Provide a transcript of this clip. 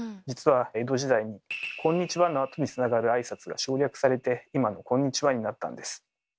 実は江戸時代に「こんにちは」のあとにつながる挨拶が省略されて今の「こんにちは」になったんです。